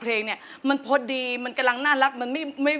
รอท่อนี้เลยขอให้จัดใหม่ตามใจ